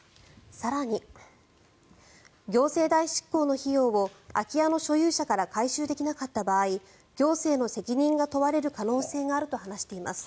更に、行政代執行の費用を空き家の所有者から回収できなかった場合行政の責任が問われる可能性があると話しています。